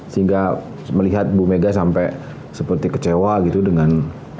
sehingga melihat bu mega sampai seperti kecewa gitu dengan